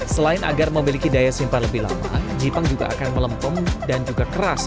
selain agar memiliki daya simpan lebih lama jipang juga akan melempeng dan juga keras